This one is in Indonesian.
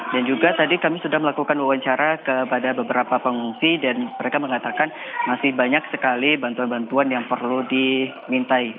dan juga tadi kami sudah melakukan wawancara kepada beberapa pengungsi dan mereka mengatakan masih banyak sekali bantuan bantuan yang perlu dimintai